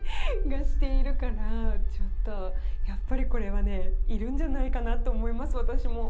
ちょっとやっぱりこれはねいるんじゃないかなと思います私も。